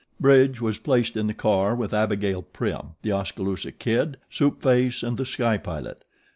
Bridge was placed in the car with Abigail Prim, The Oskaloosa Kid, Soup Face and The Sky Pilot.